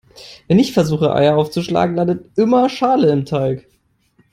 Wenn ich versuche Eier aufzuschlagen, landet immer Schale im Teig.